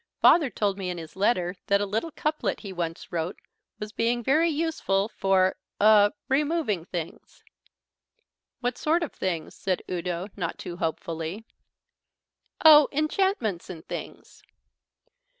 Father told me in his letter that a little couplet he once wrote was being very useful for er removing things." "What sort of things?" said Udo, not too hopefully. "Oh, enchantments and things."